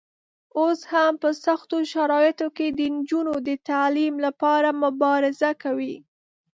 اوس هم په سختو شرایطو کې د نجونو د تعلیم لپاره مبارزه کوي.